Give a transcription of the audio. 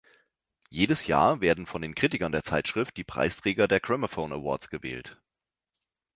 Jedes Jahr werden von den Kritikern der Zeitschrift die Preisträger der Gramophone Awards gewählt.